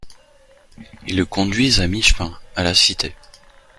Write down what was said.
Ils le conduisent à mi-chemin, à la Cité.